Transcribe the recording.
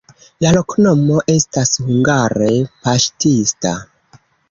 La loknomo estas hungare: paŝtista.